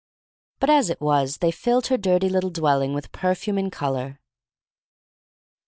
But as it was they filled her dirty little dwelling with perfume and color.